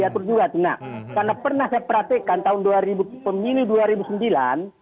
karena pernah saya perhatikan tahun pemilih dua ribu sembilan